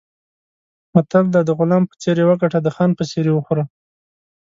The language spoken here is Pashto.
متل دی: د غلام په څېر یې وګټه، د خان په څېر یې وخوره.